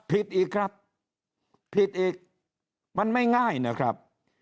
ผิดอีกครับผิดอีกมันไม่ง่ายนะครับ